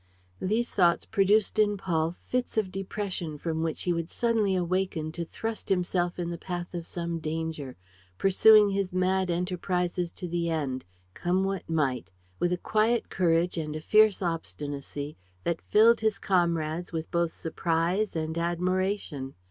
These thoughts produced in Paul fits of depression from which he would suddenly awaken to thrust himself in the path of some danger, pursuing his mad enterprises to the end, come what might, with a quiet courage and a fierce obstinacy that filled his comrades with both surprise and admiration.